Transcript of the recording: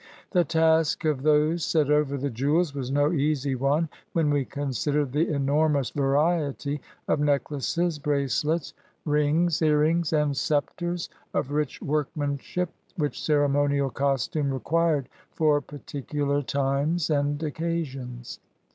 The task of those set over the jewels was no easy one, when we consider the enormous variety of necklaces, bracelets, rings, earrings, and scepters of rich workmanship, which ceremonial costume required for particular times and occasions.